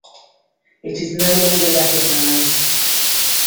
It is no longer recognized.